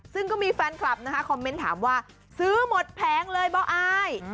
ซึ่งก็มีแฟนคลับนะคะคอมเมนต์ถามว่าซื้อหมดแผงเลยบ้าอาย